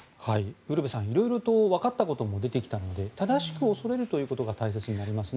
ウルヴェさん色々とわかってきたこともあるので正しく恐れるということが大切になりますね。